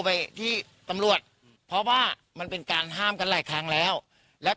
ไปที่ตำรวจเพราะว่ามันเป็นการห้ามกันหลายครั้งแล้วแล้ว